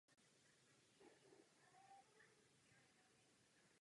Dnes se atmosféra poněkud změnila.